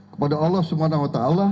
kepada allah swt